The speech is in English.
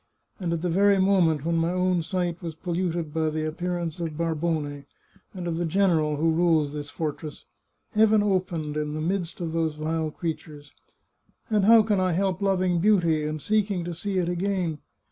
and at the very moment when my own sight was polluted by the appearance of Barbone, and of the general who rules this fortress! Heaven opened, in the midst of those vile creatures. And how can I help loving beauty, and seeking to see it again?